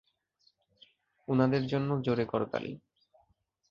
উনাদের জন্য জোরে করতালি!